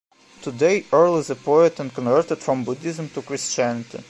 Today Aerle is a poet and converted from Buddhism to Christianity.